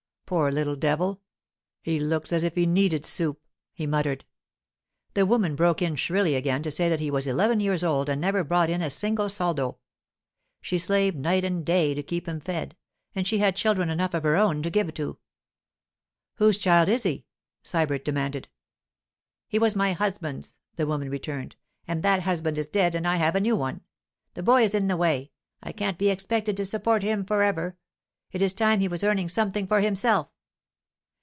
'Poor little devil! He looks as if he needed soup,' he muttered. The woman broke in shrilly again to say that he was eleven years old and never brought in a single soldo. She slaved night and day to keep him fed, and she had children enough of her own to give to. 'Whose child is he?' Sybert demanded. 'He was my husband's,' the woman returned; 'and that husband is dead and I have a new one. The boy is in the way. I can't be expected to support him forever. It is time he was earning something for himself.